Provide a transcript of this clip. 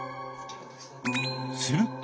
すると。